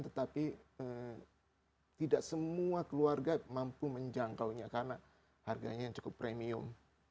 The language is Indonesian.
tetapi tidak semua keluarga mampu menjangkaunya karena harganya yang cukup premium